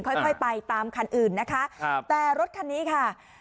ค่อยไปตามคันอื่นนะคะแต่รถคันนี้ค่ะ